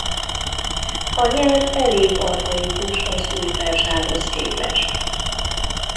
A nyelv elég archaikus az újperzsához képest.